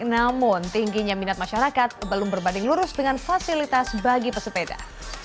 namun tingginya minat masyarakat belum berbanding lurus dengan fasilitas bagi pesepeda